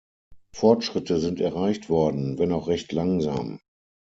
Fortschritte sind erreicht worden, wenn auch recht langsam.